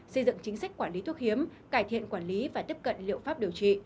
xây dựng chính sách quản lý thuốc hiếm cải thiện quản lý và tiếp cận liệu pháp điều trị